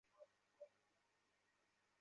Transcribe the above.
বাবা, আমাকে বাঁচাও!